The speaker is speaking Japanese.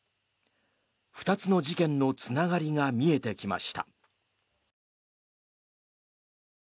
２つの事件のつながりが見えてきました。